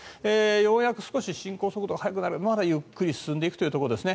ようやく少し進行速度が速くなるまだゆっくり進んでいくというところですね。